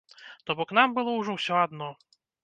То бок нам было ўжо ўсё адно.